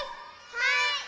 はい！